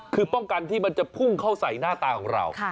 คือป้องกันที่มันจะพุ่งเข้าใส่หน้าตาของเรา